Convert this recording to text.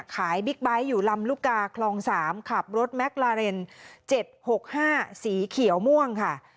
บิ๊กไบท์อยู่ลำลูกกาคลอง๓ขับรถแม็กลาเรน๗๖๕สีเขียวม่วงค่ะ